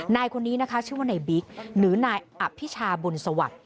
นายคนนี้นะคะชื่อว่านายบิ๊กหรือนายอภิชาบุญสวัสดิ์